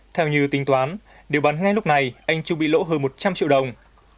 theo như tính toán nếu bán ngay lúc này anh trung bị lỗ hơn một trăm linh triệu đồng